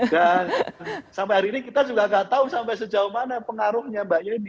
dan sampai hari ini kita juga tidak tahu sampai sejauh mana pengaruhnya mbak yeni